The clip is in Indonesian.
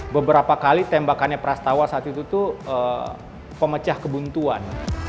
beberapa kali tembakannya prastawa saat itu tuh pemecah kebuntuan